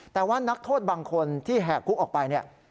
แต่ว่านักโทษบางคนที่แหกคุกออกไปเนี่ย